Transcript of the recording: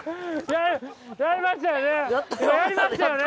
やりましたよね？